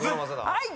はい！